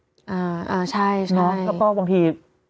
แล้วก็บางที